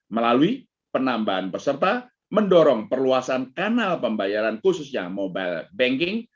melalui penambahan peserta mendorong perluasan kanal pembayaran khususnya mobile banking